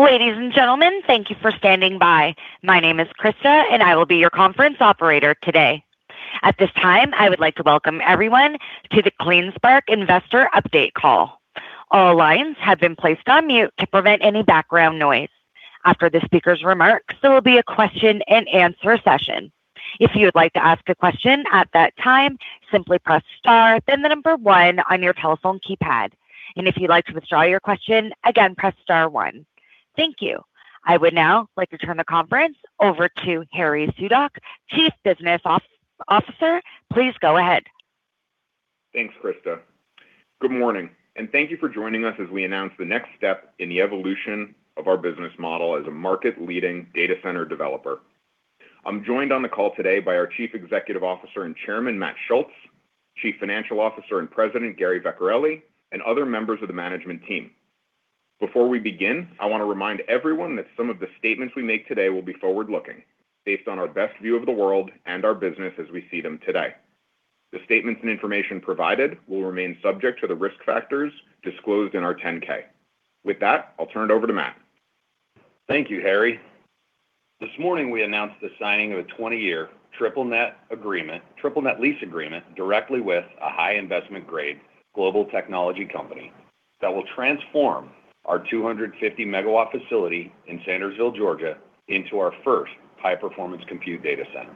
Ladies and gentlemen, thank you for standing by. My name is Krista, and I will be your conference operator today. At this time, I would like to welcome everyone to the CleanSpark Investor update call. All lines have been placed on mute to prevent any background noise. After the speaker's remarks, there will be a question and answer session. If you would like to ask a question at that time, simply press star then the number one on your telephone keypad. If you'd like to withdraw your question, again, press star one. Thank you. I would now like to turn the conference over to Harry Sudock, Chief Business Officer. Please go ahead. Thanks, Krista. Good morning, and thank you for joining us as we announce the next step in the evolution of our business model as a market leading data center developer. I'm joined on the call today by our Chief Executive Officer and Chairman, Matt Schultz, Chief Financial Officer and President, Gary Vecchiarelli, and other members of the management team. Before we begin, I want to remind everyone that some of the statements we make today will be forward-looking, based on our best view of the world and our business as we see them today. The statements and information provided will remain subject to the risk factors disclosed in our 10-K. With that, I'll turn it over to Matt. Thank you, Harry. This morning we announced the signing of a 20-year triple net lease agreement directly with a high investment grade global technology company that will transform our 250-MW facility in Sandersville, Georgia, into our first high-performance compute data center.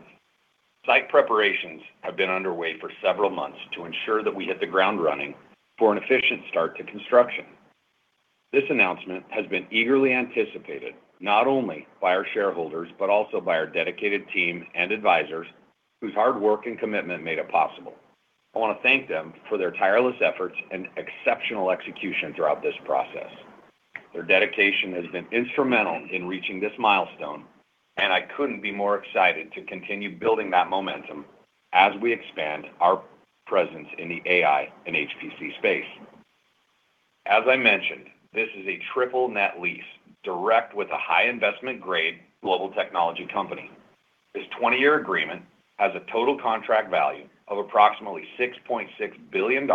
Site preparations have been underway for several months to ensure that we hit the ground running for an efficient start to construction. This announcement has been eagerly anticipated, not only by our shareholders, but also by our dedicated team and advisors whose hard work and commitment made it possible. I want to thank them for their tireless efforts and exceptional execution throughout this process. Their dedication has been instrumental in reaching this milestone, and I couldn't be more excited to continue building that momentum as we expand our presence in the AI and HPC space. As I mentioned, this is a triple net lease direct with a high investment grade global technology company. This 20-year agreement has a total contract value of approximately $6.6 billion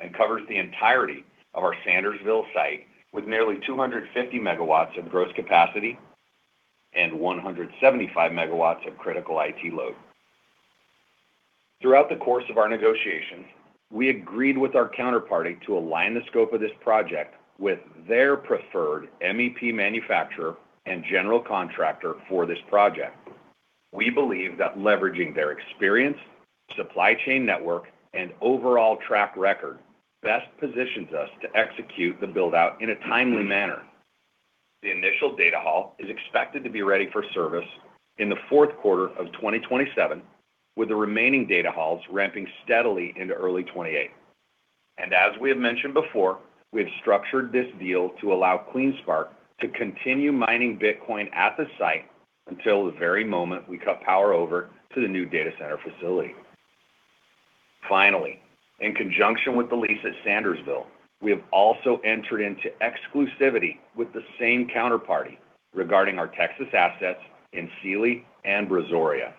and covers the entirety of our Sandersville site with nearly 250 MW of gross capacity and 175 MW of critical IT load. Throughout the course of our negotiations, we agreed with our counterparty to align the scope of this project with their preferred MEP manufacturer and general contractor for this project. We believe that leveraging their experience, supply chain network, and overall track record best positions us to execute the build-out in a timely manner. The initial data hall is expected to be ready for service in the fourth quarter of 2027, with the remaining data halls ramping steadily into early 2028. As we have mentioned before, we have structured this deal to allow CleanSpark to continue mining Bitcoin at the site until the very moment we cut power over to the new data center facility. Finally, in conjunction with the lease at Sandersville, we have also entered into exclusivity with the same counterparty regarding our Texas assets in Sealy and Brazoria.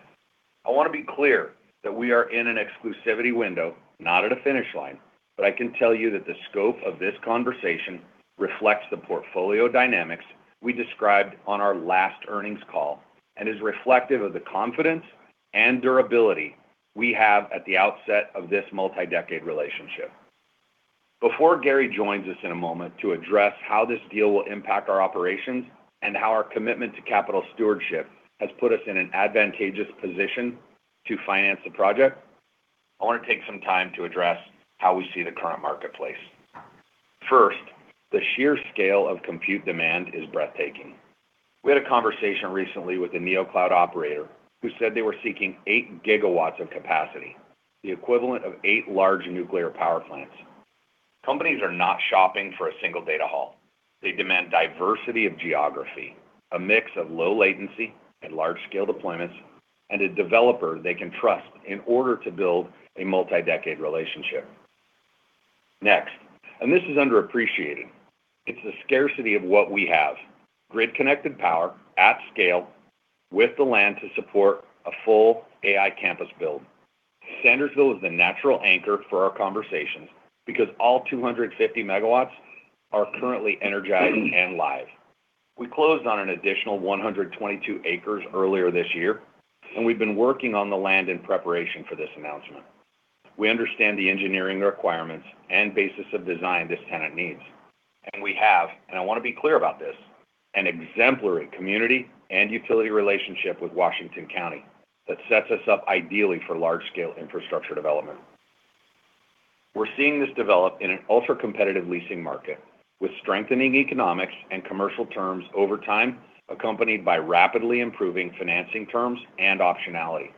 I want to be clear that we are in an exclusivity window, not at a finish line, but I can tell you that the scope of this conversation reflects the portfolio dynamics we described on our last earnings call and is reflective of the confidence and durability we have at the outset of this multi-decade relationship. Before Gary joins us in a moment to address how this deal will impact our operations and how our commitment to capital stewardship has put us in an advantageous position to finance the project, I want to take some time to address how we see the current marketplace. First, the sheer scale of compute demand is breathtaking. We had a conversation recently with a neocloud operator who said they were seeking 8 GW of capacity, the equivalent of eight large nuclear power plants. Companies are not shopping for a single data hall. They demand diversity of geography, a mix of low latency and large scale deployments, and a developer they can trust in order to build a multi-decade relationship. Next, this is underappreciated. It's the scarcity of what we have, grid-connected power at scale with the land to support a full AI campus build. Sandersville is the natural anchor for our conversations because all 250 MW are currently energized and live. We closed on an additional 122 acres earlier this year. We've been working on the land in preparation for this announcement. We understand the engineering requirements and basis of design this tenant needs. We have, I want to be clear about this, an exemplary community and utility relationship with Washington County that sets us up ideally for large scale infrastructure development. We're seeing this develop in an ultra-competitive leasing market with strengthening economics and commercial terms over time, accompanied by rapidly improving financing terms and optionality.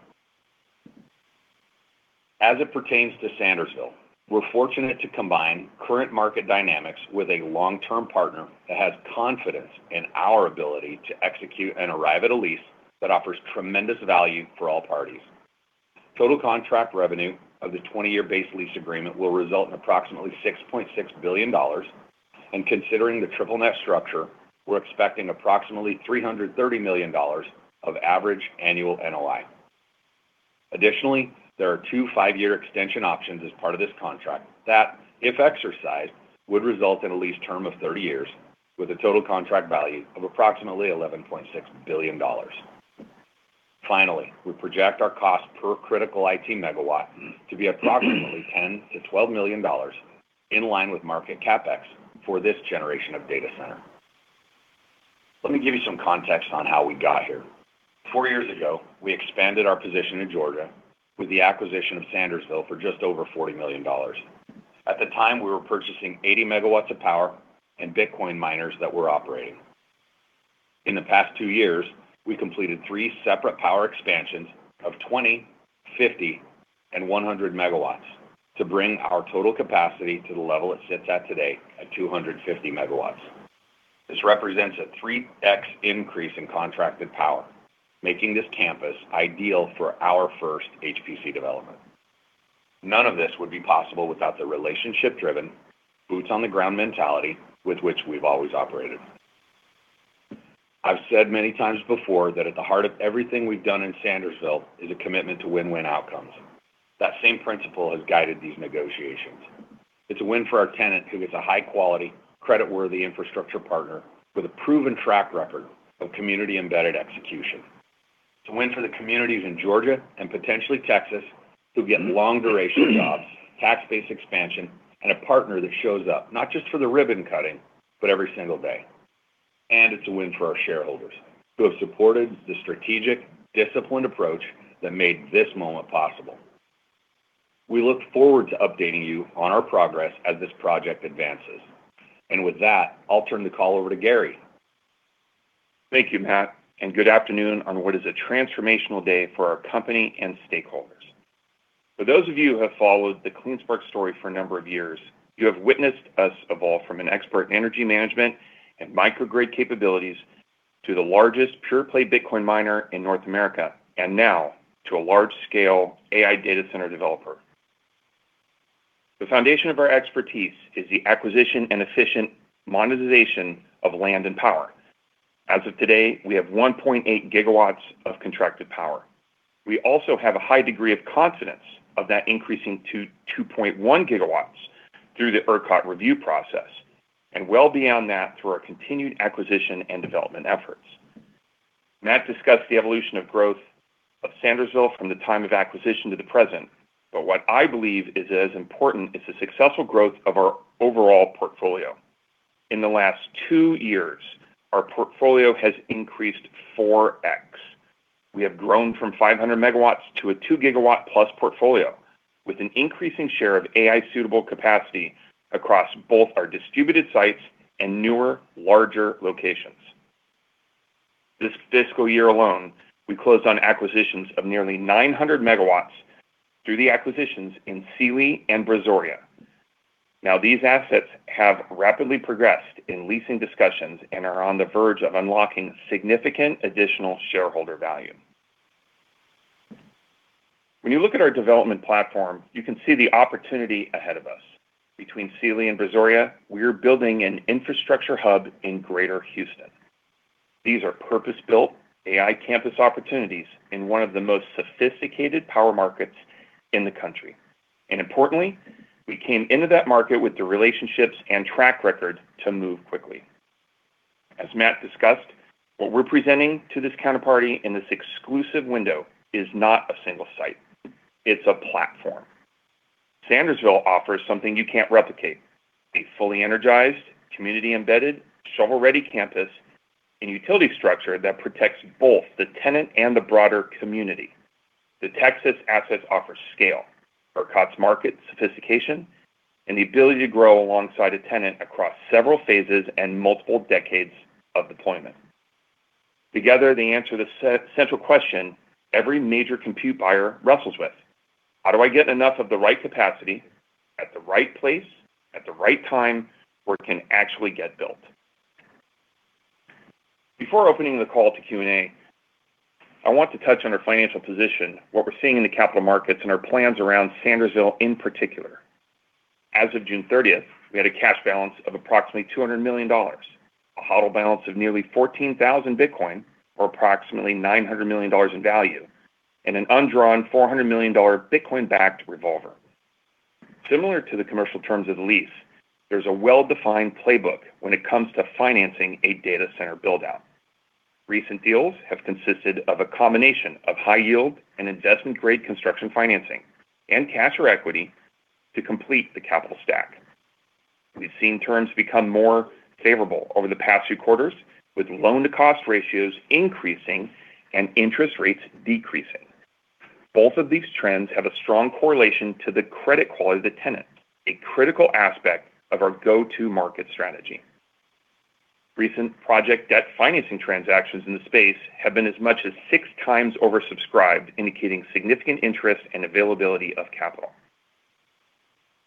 As it pertains to Sandersville, we're fortunate to combine current market dynamics with a long-term partner that has confidence in our ability to execute and arrive at a lease that offers tremendous value for all parties. Total contract revenue of the 20-year base lease agreement will result in approximately $6.6 billion. Considering the triple-net structure, we're expecting approximately $330 million of average annual NOI. Additionally, there are two five-year extension options as part of this contract that, if exercised, would result in a lease term of 30 years with a total contract value of approximately $11.6 billion. Finally, we project our cost per critical IT megawatt to be approximately $10 million-$12 million in line with market CapEx for this generation of data center. Let me give you some context on how we got here. Four years ago, we expanded our position in Georgia with the acquisition of Sandersville for just over $40 million. At the time, we were purchasing 80 MW of power and Bitcoin miners that were operating. In the past two years, we completed three separate power expansions of 20 MW, 50 MW, and 100 MW to bring our total capacity to the level it sits at today at 250 MW. This represents a 3x increase in contracted power, making this campus ideal for our first HPC development. None of this would be possible without the relationship-driven, boots-on-the-ground mentality with which we've always operated. I've said many times before that at the heart of everything we've done in Sandersville is a commitment to win-win outcomes. That same principle has guided these negotiations. It's a win for our tenant, who gets a high-quality, creditworthy infrastructure partner with a proven track record of community-embedded execution. It's a win for the communities in Georgia and potentially Texas, who get long-duration jobs, tax-based expansion, and a partner that shows up, not just for the ribbon cutting, but every single day. It's a win for our shareholders, who have supported the strategic, disciplined approach that made this moment possible. We look forward to updating you on our progress as this project advances. With that, I'll turn the call over to Gary. Thank you, Matt. Good afternoon on what is a transformational day for our company and stakeholders. For those of you who have followed the CleanSpark story for a number of years, you have witnessed us evolve from an expert in energy management and microgrid capabilities to the largest pure-play Bitcoin miner in North America, and now to a large-scale AI data center developer. The foundation of our expertise is the acquisition and efficient monetization of land and power. As of today, we have 1.8 GW of contracted power. We also have a high degree of confidence of that increasing to 2.1 GW through the ERCOT review process, and well beyond that through our continued acquisition and development efforts. Matt discussed the evolution of growth of Sandersville from the time of acquisition to the present, but what I believe is as important is the successful growth of our overall portfolio. In the last two years, our portfolio has increased 4x. We have grown from 500 MW to a 2+ GW portfolio with an increasing share of AI-suitable capacity across both our distributed sites and newer, larger locations. This fiscal year alone, we closed on acquisitions of nearly 900 MW through the acquisitions in Sealy and Brazoria. These assets have rapidly progressed in leasing discussions and are on the verge of unlocking significant additional shareholder value. When you look at our development platform, you can see the opportunity ahead of us. Between Sealy and Brazoria, we are building an infrastructure hub in Greater Houston. These are purpose-built AI campus opportunities in one of the most sophisticated power markets in the country. Importantly, we came into that market with the relationships and track record to move quickly. As Matt discussed, what we're presenting to this counterparty in this exclusive window is not a single site. It's a platform. Sandersville offers something you can't replicate, a fully energized, community-embedded, shovel-ready campus and utility structure that protects both the tenant and the broader community. The Texas assets offer scale, ERCOT's market sophistication, and the ability to grow alongside a tenant across several phases and multiple decades of deployment. Together, they answer the central question every major compute buyer wrestles with: How do I get enough of the right capacity at the right place at the right time where it can actually get built? Before opening the call to Q&A, I want to touch on our financial position, what we're seeing in the capital markets, and our plans around Sandersville in particular. As of June 30th, we had a cash balance of approximately $200 million, a HODL balance of nearly 14,000 Bitcoin, or approximately $900 million in value, and an undrawn $400 million Bitcoin-backed revolver. Similar to the commercial terms of the lease, there's a well-defined playbook when it comes to financing a data center build-out. Recent deals have consisted of a combination of high-yield and investment-grade construction financing and cash or equity to complete the capital stack. We've seen terms become more favorable over the past few quarters, with loan-to-cost ratios increasing and interest rates decreasing. Both of these trends have a strong correlation to the credit quality of the tenant, a critical aspect of our go-to-market strategy. Recent project debt financing transactions in the space have been as much as 6x oversubscribed, indicating significant interest and availability of capital.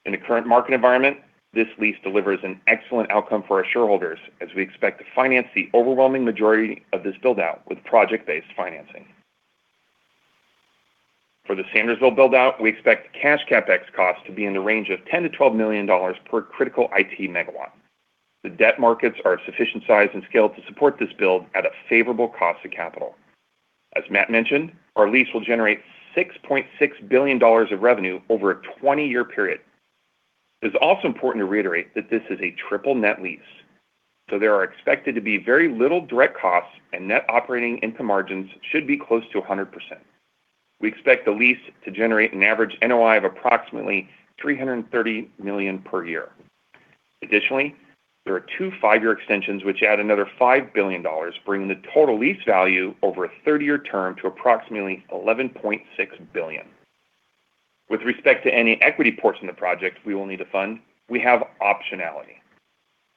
In the current market environment, this lease delivers an excellent outcome for our shareholders as we expect to finance the overwhelming majority of this build-out with project-based financing. For the Sandersville build-out, we expect cash CapEx costs to be in the range of $10 million-$12 million per critical IT megawatt. The debt markets are of sufficient size and scale to support this build at a favorable cost of capital. As Matt mentioned, our lease will generate $6.6 billion of revenue over a 20-year period. It's also important to reiterate that this is a triple-net lease, so there are expected to be very little direct costs and net operating income margins should be close to 100%. We expect the lease to generate an average NOI of approximately $330 million per year. Additionally, there are two five-year extensions which add another $5 billion, bringing the total lease value over a 30-year term to approximately $11.6 billion. With respect to any equity portion of the project we will need to fund, we have optionality.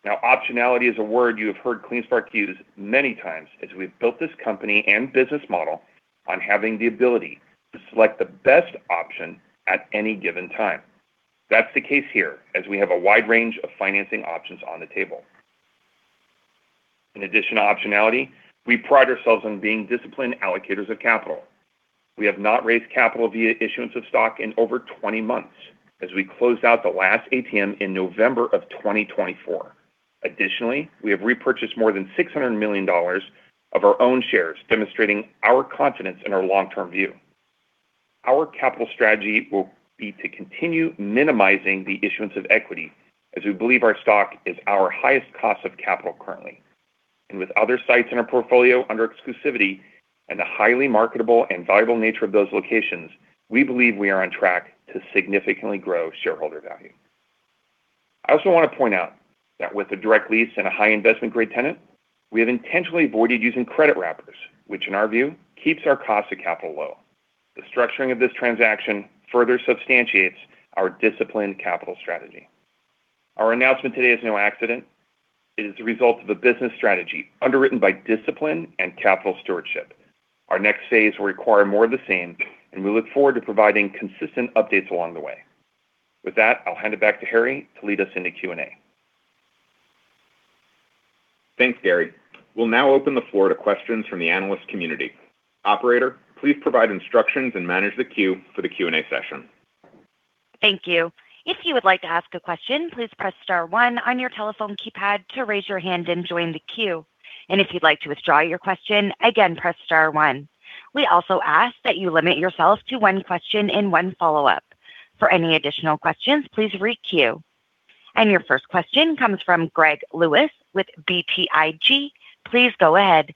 Now, optionality is a word you have heard CleanSpark use many times as we've built this company and business model on having the ability to select the best option at any given time. That's the case here as we have a wide range of financing options on the table. In addition to optionality, we pride ourselves on being disciplined allocators of capital. We have not raised capital via issuance of stock in over 20 months as we closed out the last ATM in November of 2024. We have repurchased more than $600 million of our own shares, demonstrating our confidence in our long-term view. Our capital strategy will be to continue minimizing the issuance of equity as we believe our stock is our highest cost of capital currently. With other sites in our portfolio under exclusivity and the highly marketable and valuable nature of those locations, we believe we are on track to significantly grow shareholder value. I also want to point out that with a direct lease and a high investment-grade tenant, we have intentionally avoided using credit wrappers, which in our view, keeps our cost of capital low. The structuring of this transaction further substantiates our disciplined capital strategy. Our announcement today is no accident. It is the result of a business strategy underwritten by discipline and capital stewardship. Our next phase will require more of the same, and we look forward to providing consistent updates along the way. With that, I'll hand it back to Harry to lead us into Q&A. Thanks, Gary. We'll now open the floor to questions from the analyst community. Operator, please provide instructions and manage the queue for the Q&A session. Thank you. If you would like to ask a question, please press star one on your telephone keypad to raise your hand and join the queue. If you'd like to withdraw your question, again, press star one. We also ask that you limit yourself to one question and one follow-up. For any additional questions, please re-queue. Your first question comes from Greg Lewis with BTIG. Please go ahead.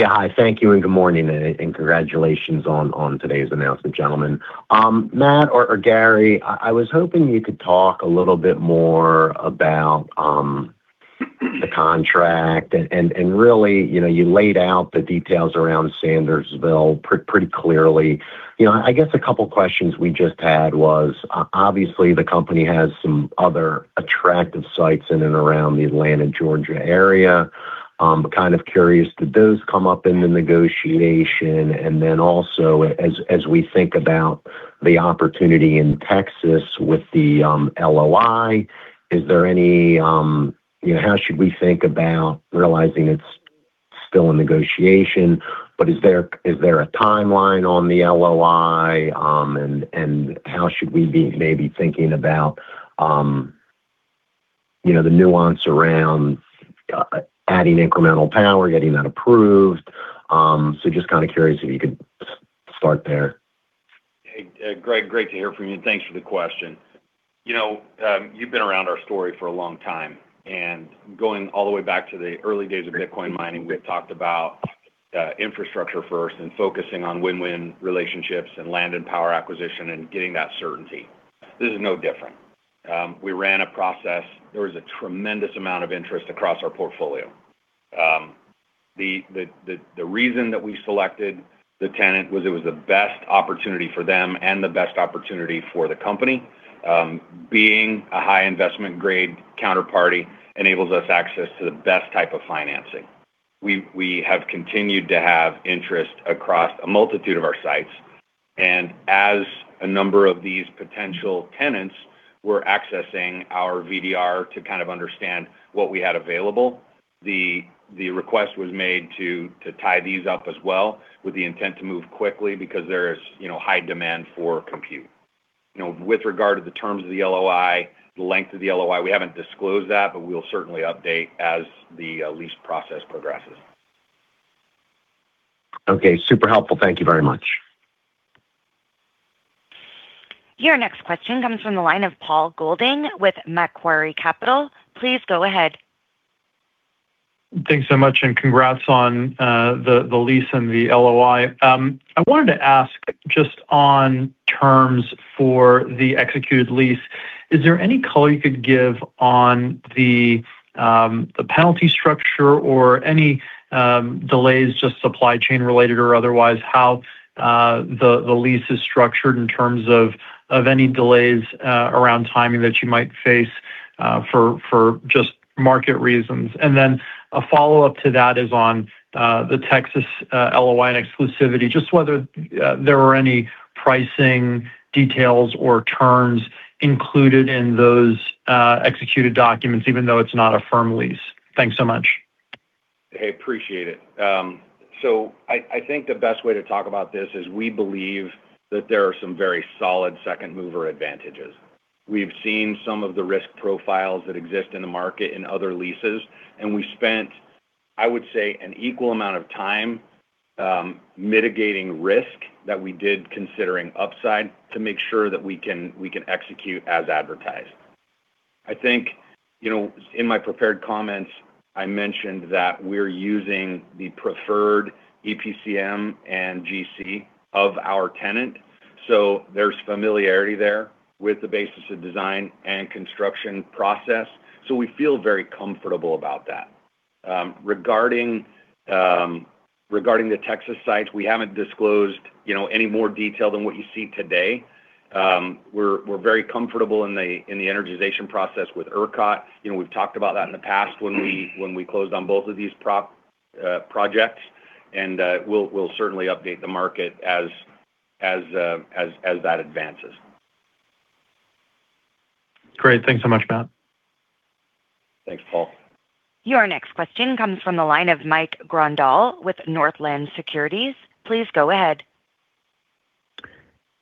Hi, thank you, and good morning, and congratulations on today's announcement, gentlemen. Matt or Gary, I was hoping you could talk a little bit more about the contract and really, you laid out the details around Sandersville pretty clearly. I guess a couple of questions we just had was, obviously the company has some other attractive sites in and around the Atlanta, Georgia area. I'm kind of curious, did those come up in the negotiation? Also, as we think about the opportunity in Texas with the LOI, how should we think about realizing it's still in negotiation? Is there a timeline on the LOI? How should we be maybe thinking about the nuance around adding incremental power, getting that approved? Just kind of curious if you could start there. Hey, Greg. Great to hear from you, and thanks for the question. You've been around our story for a long time, going all the way back to the early days of Bitcoin mining, we had talked about infrastructure first and focusing on win-win relationships and land and power acquisition and getting that certainty. This is no different. We ran a process. There was a tremendous amount of interest across our portfolio. The reason that we selected the tenant was it was the best opportunity for them and the best opportunity for the company. Being a high investment-grade counterparty enables us access to the best type of financing. We have continued to have interest across a multitude of our sites, as a number of these potential tenants were accessing our VDR to kind of understand what we had available, the request was made to tie these up as well with the intent to move quickly because there is high demand for compute. With regard to the terms of the LOI, the length of the LOI, we haven't disclosed that, we will certainly update as the lease process progresses. Super helpful. Thank you very much. Your next question comes from the line of Paul Golding with Macquarie Capital. Please go ahead. Thanks so much and congrats on the lease and the LOI. I wanted to ask just on terms for the executed lease, is there any color you could give on the penalty structure or any delays, just supply chain-related or otherwise, how the lease is structured in terms of any delays around timing that you might face for just market reasons? A follow-up to that is on the Texas LOI and exclusivity, just whether there were any pricing details or terms included in those executed documents, even though it's not a firm lease. Thanks so much. Hey, appreciate it. I think the best way to talk about this is we believe that there are some very solid second-mover advantages. We've seen some of the risk profiles that exist in the market in other leases, and we've spent, I would say, an equal amount of time mitigating risk that we did considering upside to make sure that we can execute as advertised. I think, in my prepared comments, I mentioned that we're using the preferred EPCM and GC of our tenant. There's familiarity there with the basis of design and construction process. We feel very comfortable about that. Regarding the Texas site, we haven't disclosed any more detail than what you see today. We're very comfortable in the energization process with ERCOT. We've talked about that in the past when we closed on both of these projects. We'll certainly update the market as that advances. Great. Thanks so much, Matt. Thanks, Paul. Your next question comes from the line of Mike Grondahl with Northland Securities. Please go ahead.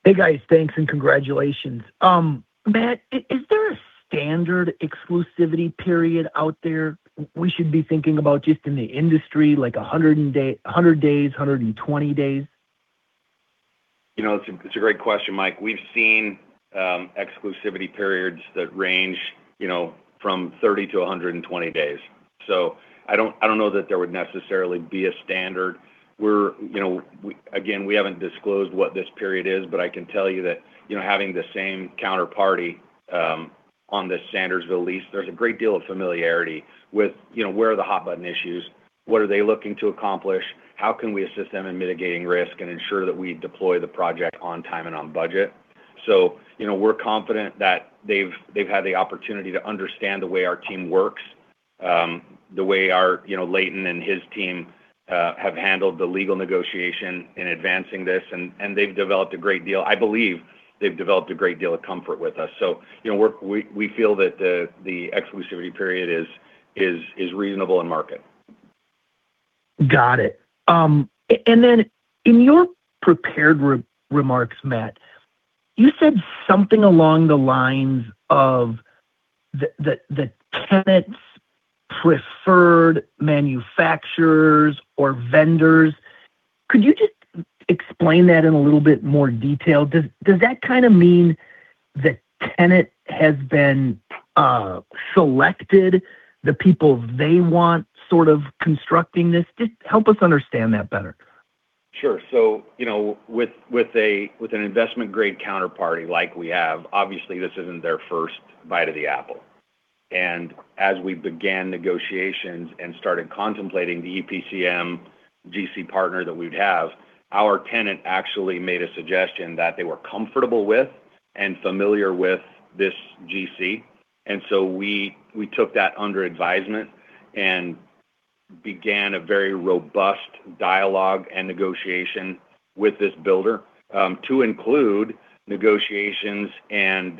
Hey, guys. Thanks and congratulations. Matt, is there a standard exclusivity period out there we should be thinking about just in the industry, like 100 days, 120 days? It's a great question, Mike. We've seen exclusivity periods that range from 30-120 days. I don't know that there would necessarily be a standard. Again, we haven't disclosed what this period is, but I can tell you that having the same counterparty on this Sandersville lease, there's a great deal of familiarity with where are the hot button issues? What are they looking to accomplish? How can we assist them in mitigating risk and ensure that we deploy the project on time and on budget? We're confident that they've had the opportunity to understand the way our team works, the way Leighton and his team have handled the legal negotiation in advancing this, and they've developed a great deal. I believe they've developed a great deal of comfort with us. We feel that the exclusivity period is reasonable in market. Got it. In your prepared remarks, Matt, you said something along the lines of the tenant's preferred manufacturers or vendors. Could you just explain that in a little bit more detail? Does that kind of mean the tenant has been selected, the people they want sort of constructing this? Just help us understand that better. Sure. With an investment-grade counterparty like we have, obviously this isn't their first bite of the apple. As we began negotiations and started contemplating the EPCM GC partner that we'd have, our tenant actually made a suggestion that they were comfortable with and familiar with this GC. We took that under advisement and began a very robust dialogue and negotiation with this builder to include negotiations and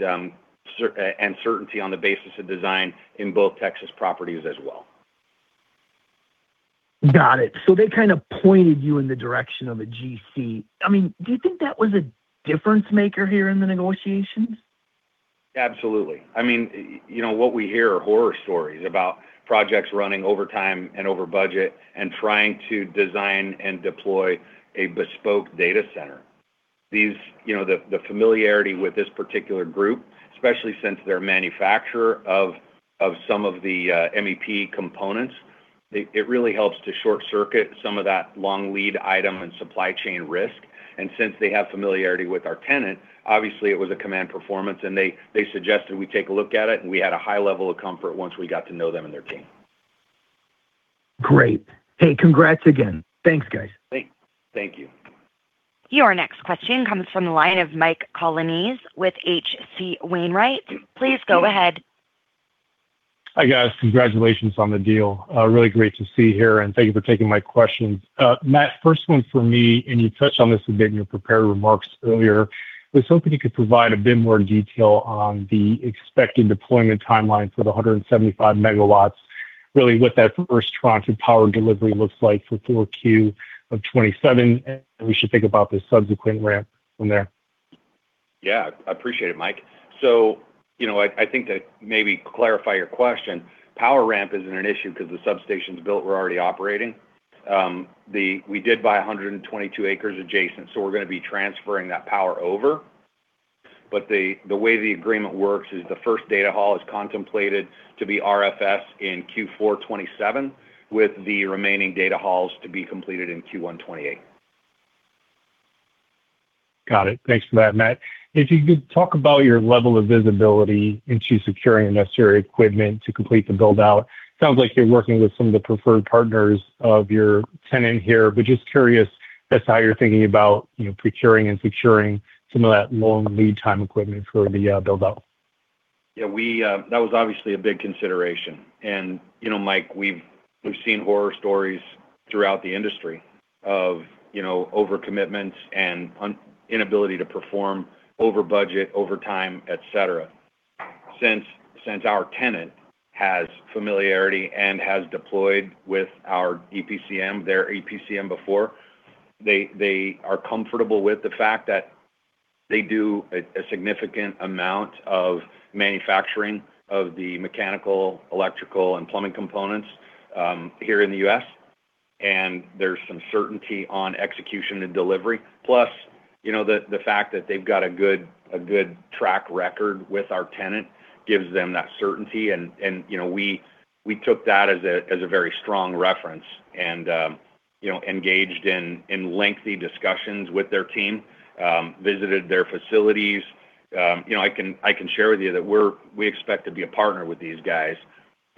certainty on the basis of design in both Texas properties as well. Got it. They kind of pointed you in the direction of a GC. Do you think that was a difference maker here in the negotiations? Absolutely. What we hear are horror stories about projects running over time and over budget and trying to design and deploy a bespoke data center. The familiarity with this particular group, especially since they're a manufacturer of some of the MEP components, it really helps to short-circuit some of that long lead item and supply chain risk. Since they have familiarity with our tenant, obviously it was a command performance, and they suggested we take a look at it, and we had a high level of comfort once we got to know them and their team. Great. Hey, congrats again. Thanks, guys. Thank you. Your next question comes from the line of Mike Colonnese with H.C. Wainwright. Please go ahead. Hi, guys. Congratulations on the deal. Really great to see you here. Thank you for taking my questions. Matt, first one for me. You touched on this a bit in your prepared remarks earlier. I was hoping you could provide a bit more detail on the expected deployment timeline for the 175 MW, really what that first tranche of power delivery looks like for 4Q 2027. We should think about the subsequent ramp from there. Yeah. I appreciate it, Mike. I think to maybe clarify your question, power ramp isn't an issue because the substations built were already operating. We did buy 122 acres adjacent. We're going to be transferring that power over. The way the agreement works is the first data hall is contemplated to be RFS in Q4 2027, with the remaining data halls to be completed in Q1 2028. Got it. Thanks for that, Matt. If you could talk about your level of visibility into securing necessary equipment to complete the build-out. Sounds like you're working with some of the preferred partners of your tenant here. Just curious as to how you're thinking about procuring and securing some of that long lead time equipment for the build-out. Yeah. That was obviously a big consideration. Mike, we've seen horror stories throughout the industry of over-commitments and inability to perform over budget, over time, et cetera. Since our tenant has familiarity and has deployed with their EPCM before, they are comfortable with the fact that they do a significant amount of manufacturing of the mechanical, electrical, and plumbing components here in the U.S. There's some certainty on execution and delivery. Plus, the fact that they've got a good track record with our tenant gives them that certainty. We took that as a very strong reference and engaged in lengthy discussions with their team, visited their facilities. I can share with you that we expect to be a partner with these guys.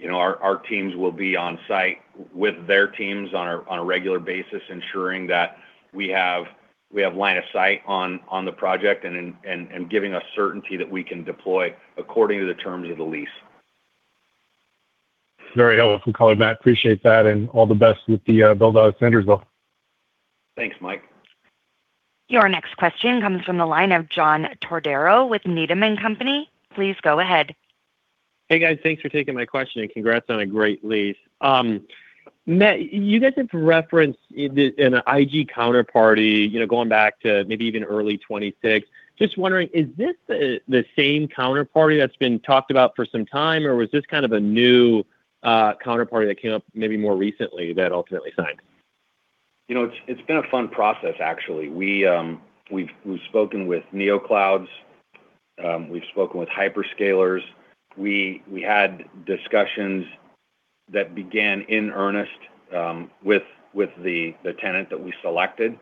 Our teams will be on site with their teams on a regular basis, ensuring that we have line of sight on the project and giving us certainty that we can deploy according to the terms of the lease. Very helpful color, Matt. Appreciate that. All the best with the build-out of Sandersville. Thanks, Mike. Your next question comes from the line of John Todaro with Needham & Company. Please go ahead. Hey, guys. Thanks for taking my question, and congrats on a great lease. Matt, you guys have referenced an IG counterparty going back to maybe even early 2026. Is this the same counterparty that's been talked about for some time, or was this kind of a new counterparty that came up maybe more recently that ultimately signed? It's been a fun process, actually. We've spoken with neoclouds. We've spoken with hyperscalers. We had discussions that began in earnest with the tenant that we selected.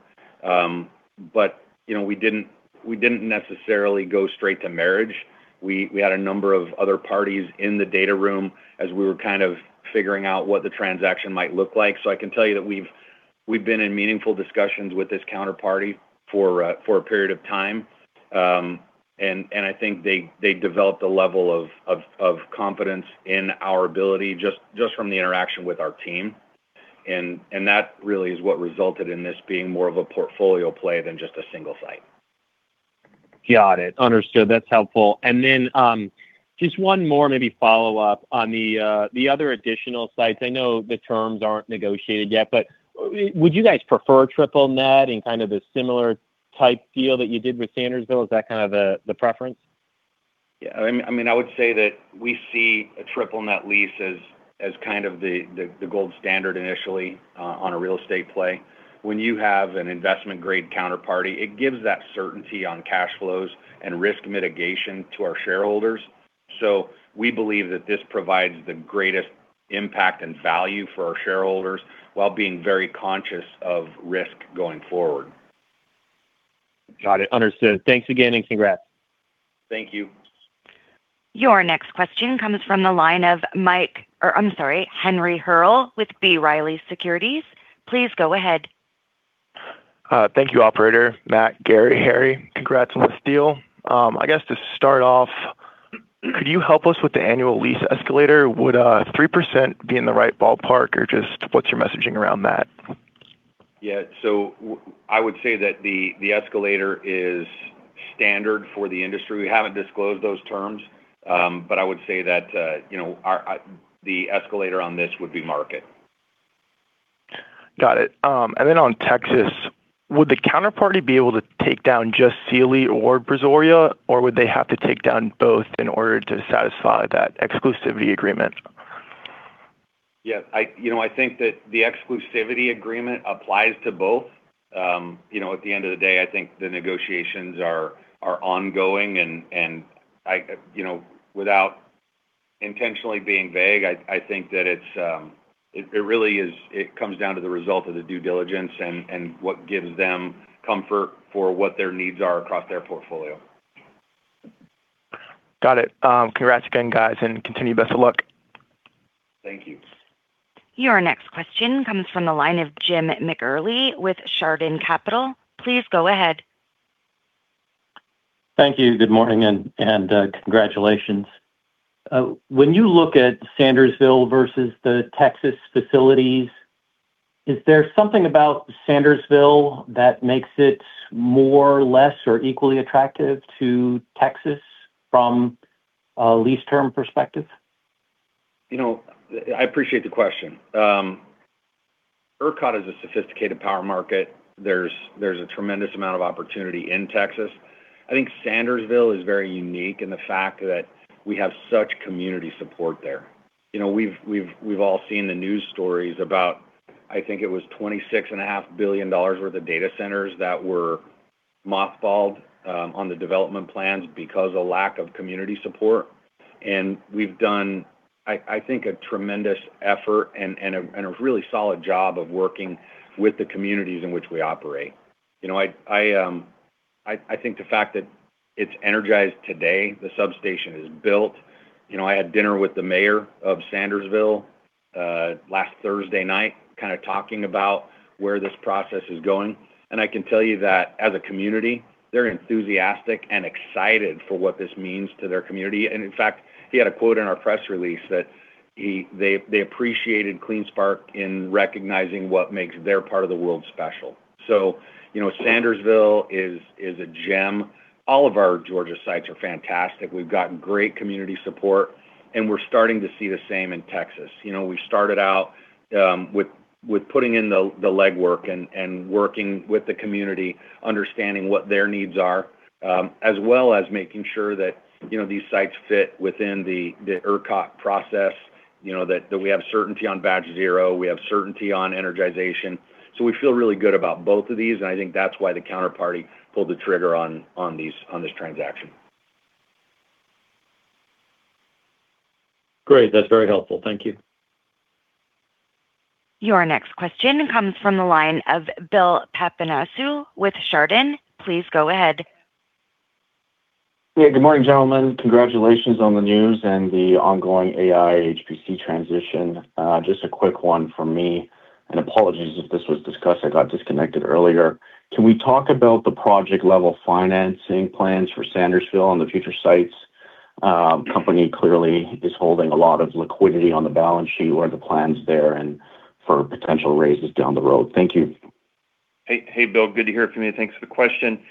We didn't necessarily go straight to marriage. We had a number of other parties in the data room as we were kind of figuring out what the transaction might look like. I can tell you that we've been in meaningful discussions with this counterparty for a period of time. I think they developed a level of confidence in our ability just from the interaction with our team, and that really is what resulted in this being more of a portfolio play than just a single site. Got it. Understood. That's helpful. Just one more maybe follow-up on the other additional sites. I know the terms aren't negotiated yet, would you guys prefer triple-net and kind of the similar type deal that you did with Sandersville? Is that kind of the preference? Yeah. I would say that we see a triple-net lease as kind of the gold standard initially on a real estate play. When you have an investment-grade counterparty, it gives that certainty on cash flows and risk mitigation to our shareholders. We believe that this provides the greatest impact and value for our shareholders while being very conscious of risk going forward. Got it. Understood. Thanks again, and congrats. Thank you. Your next question comes from the line of Henry Hearle with B. Riley Securities. Please go ahead. Thank you, operator. Matt, Gary, Harry, congrats on this deal. I guess to start off, could you help us with the annual lease escalator? Would 3% be in the right ballpark, or just what's your messaging around that? Yeah. I would say that the escalator is standard for the industry. We haven't disclosed those terms, but I would say that the escalator on this would be market. Got it. Then on Texas, would the counterparty be able to take down just Sealy or Brazoria, or would they have to take down both in order to satisfy that exclusivity agreement? Yeah. I think that the exclusivity agreement applies to both. At the end of the day, I think the negotiations are ongoing. Without intentionally being vague, I think that it comes down to the result of the due diligence and what gives them comfort for what their needs are across their portfolio. Got it. Congrats again, guys, and continued best of luck. Thank you. Your next question comes from the line of Jim McIlree with Chardan Capital. Please go ahead. Thank you. Good morning, congratulations. When you look at Sandersville versus the Texas facilities, is there something about Sandersville that makes it more, less, or equally attractive to Texas from a lease term perspective? I appreciate the question. ERCOT is a sophisticated power market. There's a tremendous amount of opportunity in Texas. I think Sandersville is very unique in the fact that we have such community support there. We've all seen the news stories about, I think it was $26.5 billion worth of data centers that were mothballed on the development plans because of lack of community support. We've done, I think, a tremendous effort and a really solid job of working with the communities in which we operate. I think the fact that it's energized today, the substation is built. I had dinner with the mayor of Sandersville last Thursday night, kind of talking about where this process is going, I can tell you that as a community, they're enthusiastic and excited for what this means to their community. In fact, he had a quote in our press release that they appreciated CleanSpark in recognizing what makes their part of the world special. Sandersville is a gem. All of our Georgia sites are fantastic. We've gotten great community support, and we're starting to see the same in Texas. We started out with putting in the legwork and working with the community, understanding what their needs are, as well as making sure that these sites fit within the ERCOT process, that we have certainty on batch zero, we have certainty on energization. We feel really good about both of these, and I think that's why the counterparty pulled the trigger on this transaction. Great. That's very helpful. Thank you. Your next question comes from the line of Bill Papanastasiou with Chardan. Please go ahead. Good morning, gentlemen. Congratulations on the news and the ongoing AI HPC transition. Just a quick one from me, and apologies if this was discussed, I got disconnected earlier. Can we talk about the project-level financing plans for Sandersville and the future sites? Company clearly is holding a lot of liquidity on the balance sheet. What are the plans there and for potential raises down the road? Thank you. Hey, Bill. Good to hear from you. Thanks for the question.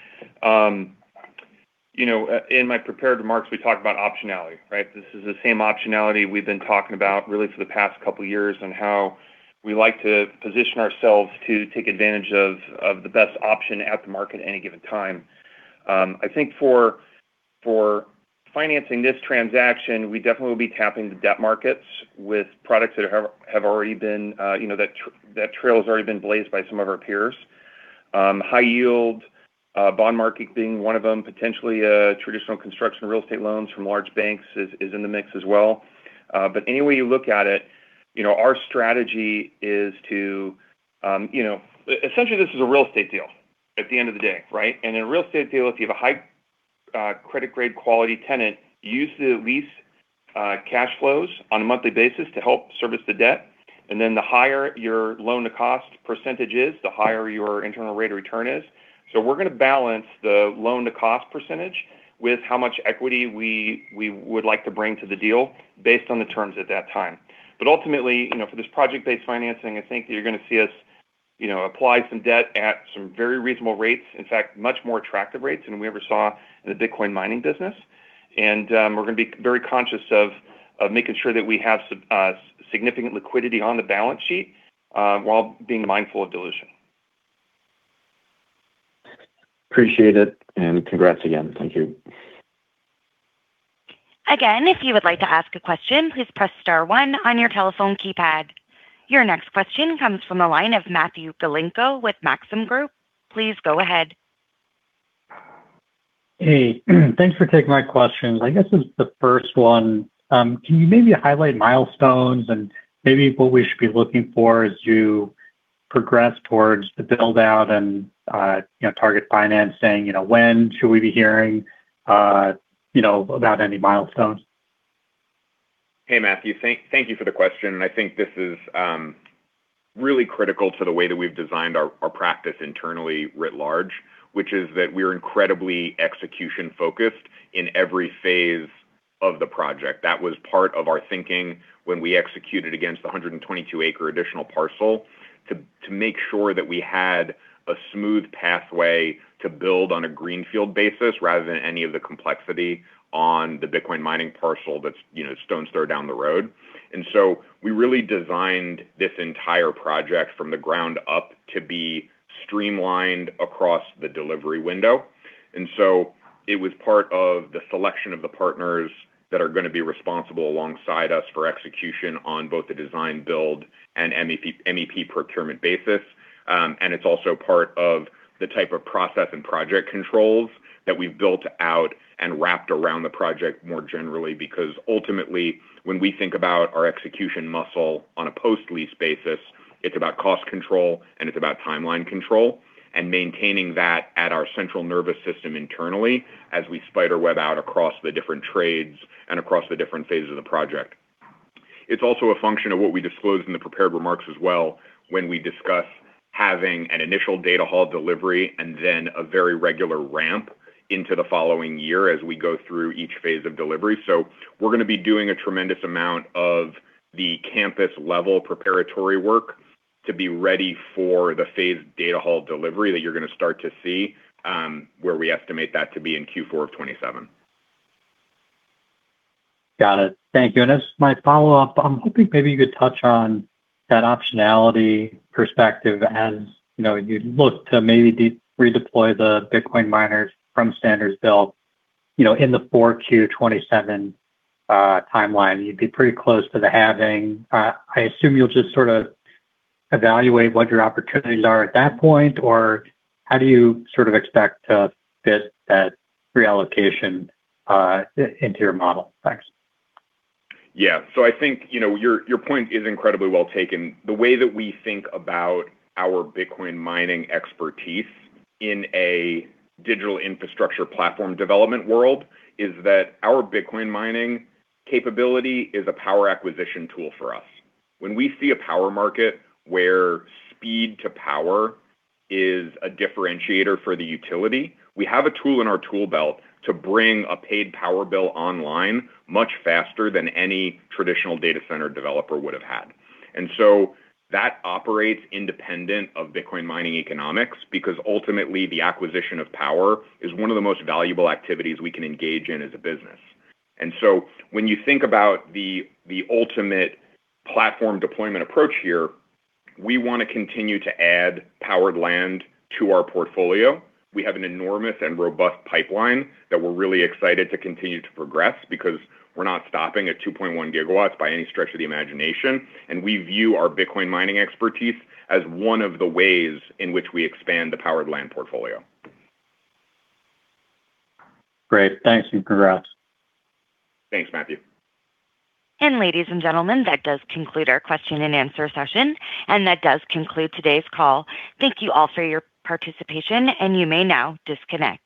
In my prepared remarks, we talked about optionality, right? This is the same optionality we've been talking about really for the past couple of years on how we like to position ourselves to take advantage of the best option at the market at any given time. I think for financing this transaction, we definitely will be tapping the debt markets with products that trail has already been blazed by some of our peers. High yield bond market being one of them, potentially traditional construction real estate loans from large banks is in the mix as well. Any way you look at it, our strategy is to essentially this is a real estate deal at the end of the day, right? In a real estate deal, if you have a high credit grade quality tenant, use the lease cash flows on a monthly basis to help service the debt. The higher your loan-to-cost percentage is, the higher your internal rate of return is. We're going to balance the loan-to-cost percentage with how much equity we would like to bring to the deal based on the terms at that time. Ultimately, for this project-based financing, I think that you're going to see us apply some debt at some very reasonable rates, in fact, much more attractive rates than we ever saw in the Bitcoin mining business. We're going to be very conscious of making sure that we have significant liquidity on the balance sheet while being mindful of dilution. Appreciate it, and congrats again. Thank you. Again, if you would like to ask a question, please press star one on your telephone keypad. Your next question comes from the line of Matthew Galinko with Maxim Group. Please go ahead. Hey. Thanks for taking my questions. I guess as the first one, can you maybe highlight milestones and maybe what we should be looking for as you progress towards the build-out and target financing? When should we be hearing about any milestones? Hey, Matthew. Thank you for the question. I think this is really critical to the way that we've designed our practice internally writ large, which is that we're incredibly execution-focused in every phase of the project. That was part of our thinking when we executed against the 122-acre additional parcel to make sure that we had a smooth pathway to build on a greenfield basis rather than any of the complexity on the Bitcoin mining parcel that's a stone's throw down the road. We really designed this entire project from the ground up to be streamlined across the delivery window. It was part of the selection of the partners that are going to be responsible alongside us for execution on both the design build and MEP procurement basis. It's also part of the type of process and project controls that we've built out and wrapped around the project more generally. Ultimately, when we think about our execution muscle on a post-lease basis, it's about cost control and it's about timeline control and maintaining that at our central nervous system internally as we spider web out across the different trades and across the different phases of the project. It's also a function of what we disclosed in the prepared remarks as well when we discuss having an initial data hall delivery and then a very regular ramp into the following year as we go through each phase of delivery. We're going to be doing a tremendous amount of the campus-level preparatory work to be ready for the phase data hall delivery that you're going to start to see, where we estimate that to be in Q4 of 2027. Got it. Thank you. As my follow-up, I'm hoping maybe you could touch on that optionality perspective as you look to maybe redeploy the Bitcoin miners from Sandersville in the 4Q 2027 timeline. You'd be pretty close to the halving. I assume you'll just sort of evaluate what your opportunities are at that point, or how do you sort of expect to fit that reallocation into your model? Thanks. Yeah. I think your point is incredibly well taken. The way that we think about our Bitcoin mining expertise in a digital infrastructure platform development world is that our Bitcoin mining capability is a power acquisition tool for us. When we see a power market where speed to power is a differentiator for the utility, we have a tool in our tool belt to bring a paid power bill online much faster than any traditional data center developer would've had. That operates independent of Bitcoin mining economics because ultimately the acquisition of power is one of the most valuable activities we can engage in as a business. When you think about the ultimate platform deployment approach here, we want to continue to add powered land to our portfolio. We have an enormous and robust pipeline that we're really excited to continue to progress because we're not stopping at 2.1 GW by any stretch of the imagination, and we view our Bitcoin mining expertise as one of the ways in which we expand the powered land portfolio. Great. Thanks. Congrats. Thanks, Matthew. Ladies and gentlemen, that does conclude our question and answer session. That does conclude today's call. Thank you all for your participation. You may now disconnect.